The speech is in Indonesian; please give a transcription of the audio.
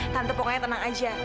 tante pokoknya tenang aja